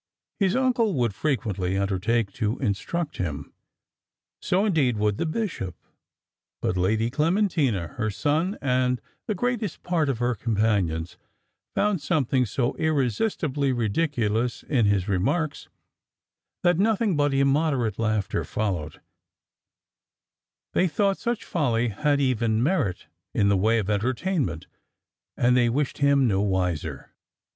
His uncle would frequently undertake to instruct him; so indeed would the bishop; but Lady Clementina, her son, and the greatest part of her companions, found something so irresistibly ridiculous in his remarks, that nothing but immoderate laughter followed; they thought such folly had even merit in the way of entertainment, and they wished him no wiser.